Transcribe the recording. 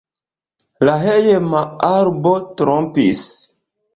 La hejma arbo trompis.